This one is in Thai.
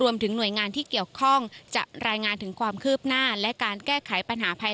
รวมถึงหน่วยงานที่เกี่ยวข้องจะรายงานถึงความคืบหน้า